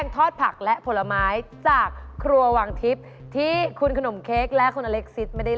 ตามสิบเจ็บบาท